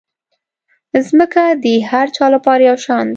مځکه د هر چا لپاره یو شان ده.